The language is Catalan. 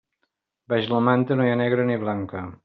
Baix la manta no hi ha negra ni blanca.